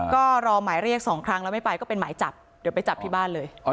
ก็รอหมายเรียกสองครั้งแล้วไม่ไปก็เป็นหมายจับเดี๋ยวไปจับที่บ้านเลย